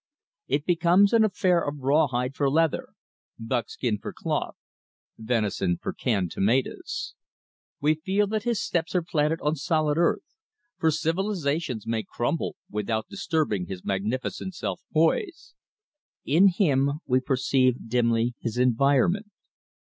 It becomes an affair of rawhide for leather, buckskin for cloth, venison for canned tomatoes. We feel that his steps are planted on solid earth, for civilizations may crumble without disturbing his magnificent self poise. In him we perceive dimly his environment.